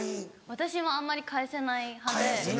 私もあんまり返せない派で。